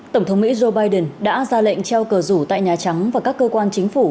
tổng thống mỹ joe biden đã ra lệnh treo cờ rủ tại nhà trắng và các cơ quan chính phủ